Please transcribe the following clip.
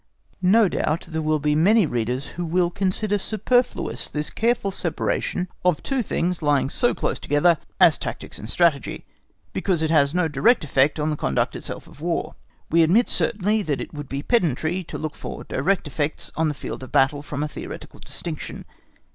No doubt there will be many readers who will consider superfluous this careful separation of two things lying so close together as tactics and strategy, because it has no direct effect on the conduct itself of War. We admit, certainly that it would be pedantry to look for direct effects on the field of battle from a theoretical distinction.